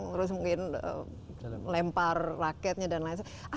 terus mungkin lempar raketnya dan lain lain